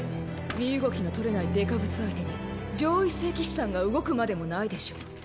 身動きの取れないデカブツ相手に上位聖騎士さんが動くまでもないでしょ。